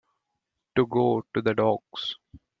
To go to the dogs.